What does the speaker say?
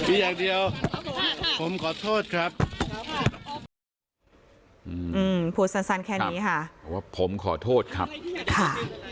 อืมพูดสั้นสั้นแค่นี้ค่ะว่าผมขอโทษครับค่ะ